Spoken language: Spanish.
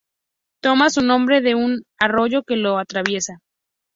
Toma su nombre de un arroyo que lo atraviesa.